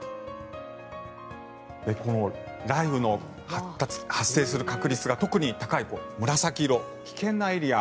この雷雨の発生する確率が特に高い紫色、危険なエリア。